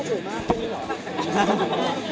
ไม่รู้ทำไมนะคะ